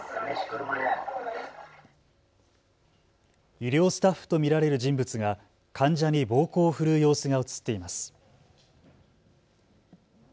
医療スタッフと見られる人物が患者に暴行を振るう様子が写っています。